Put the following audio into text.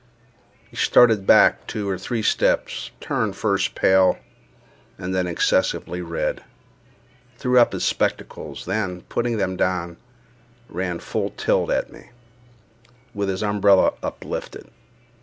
He started back two or three steps, turned first pale and then excessively red, threw up his spectacles, then, putting them down, ran full tilt at me, with his umbrella uplifted.